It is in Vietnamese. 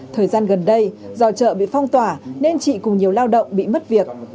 thời gian gần đây do chợ bị phong tỏa nên chị cùng nhiều lao động bị mất việc